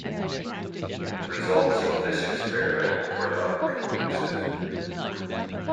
The results of this experiment were not conclusive.